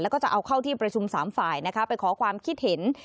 แล้วก็จะเอาเข้าที่ประชุม๓ฝ่ายนะคะไปขอความคิดเห็น